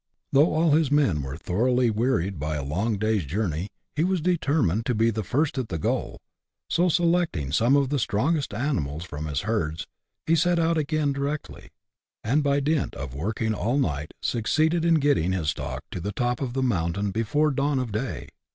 Though all his a\en were thoroughly w earied by a long day's CHAP. II.] REMOVAL OF STOCK. 19 journey, he was determined to be first at the goal ; so, selecting some of the strongest animals from his herds, he set out again directly, and by dint of working all night succeeded in getting his stock to the top of the mountain before dawn of day.